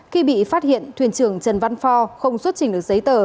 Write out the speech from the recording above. khi bị phát hiện thuyền trưởng trần văn phò không xuất trình được giấy tờ